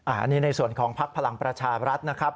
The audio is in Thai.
อันนี้ในส่วนของภักดิ์พลังประชารัฐนะครับ